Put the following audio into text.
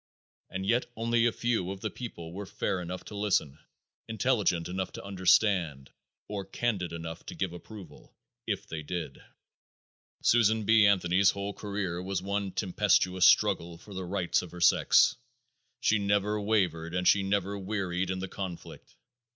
And yet only a very few of the people were fair enough to listen, intelligent enough to understand, or candid enough to give approval, if they did. Susan B. Anthony's whole career was one tempestuous struggle for the rights of her sex. She never wavered and she never wearied in the conflict.